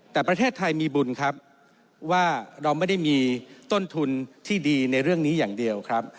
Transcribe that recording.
แต่ประเทศไทยมีบุญครับว่าเราไม่ได้มีต้นทุนที่ดีในเรื่องนี้อย่างเดียวครับ